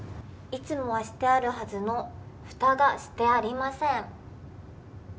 いつもはしてあるはずの蓋がしてありません。